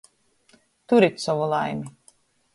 Turit sovu laimi!